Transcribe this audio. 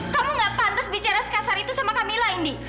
kamu nggak pantas bicara sekasar itu sama kamila indi